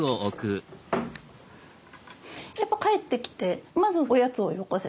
やっぱ帰ってきてまずおやつをよこせと。